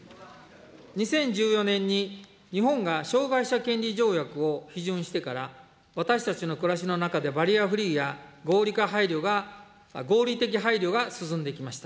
２０１４年に日本が障害者権利条約を批准してから、私たちの暮らしの中でバリアフリーや合理的配慮が進んできました。